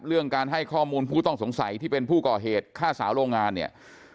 เรื่องการให้ข้อมูลผู้ต้องสงสัยที่เป็นผู้ก่อเหตุฆ่าสาวโรงงานเนี่ย